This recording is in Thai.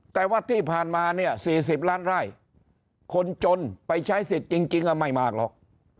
แต่ว่าที่ผ่านมาเนี่ย๔๐ล้านไร่คนจนไปใช้สิทธิ์จริงไม่มากหรอก